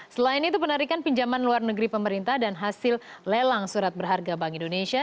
selain itu penarikan pinjaman luar negeri pemerintah dan hasil lelang surat berharga bank indonesia